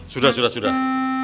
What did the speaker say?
sudah sudah sudah